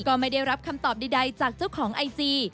ก็ไม่ได้รับคำตอบใดจากเจ้าของไอจี